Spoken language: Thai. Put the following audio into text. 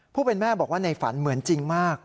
ผู้เป็นแม่บอกว่าในฝันเหมือนจริงมาก